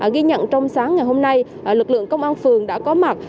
ghi nhận trong sáng ngày hôm nay lực lượng công an phường đã có mặt